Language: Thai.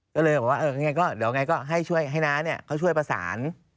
ก็เลยบอกว่าเอาไงก็ให้ช่วยให้นาเนี่ยเขาช่วยประสาน